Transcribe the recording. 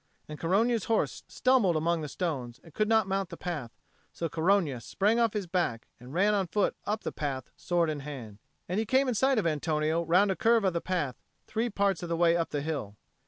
And Corogna's horse stumbled among the stones, and could not mount the path; so Corogna sprang off his back and ran on foot up the path, sword in hand. And he came in sight of Antonio round a curve of the path three parts of the way up the hill.